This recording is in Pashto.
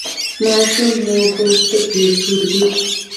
ماشوم مو پوستکی سور دی؟